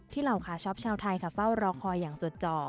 ที่เหล่าค้าช็อปชาวไทยฟ่าวรอคอยอย่างจดจ่อ